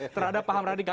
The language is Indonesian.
terhadap paham radikal